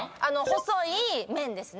細い麺ですね。